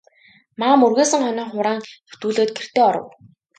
Маам үргэсэн хонио хураан хэвтүүлээд гэртээ оров.